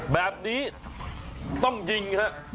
แบบนี้ต้องยิงฮะ